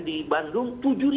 di bandung tujuh dua ratus